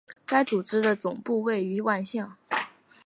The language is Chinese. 该组织的总部位于万象。